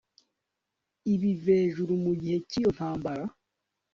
ibivejuru mu gihe cy'iyo ntambara